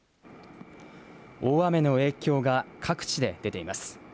大雨の影響が各地で出ています。